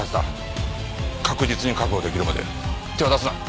確実に確保出来るまで手を出すな。